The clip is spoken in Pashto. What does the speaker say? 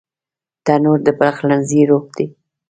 تنور د پخلنځي روح دی